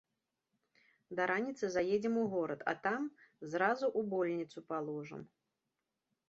Да раніцы заедзем у горад, а там зразу ў больніцу паложым.